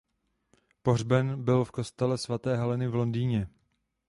Pohřben byl v kostele svaté Heleny v Londýně.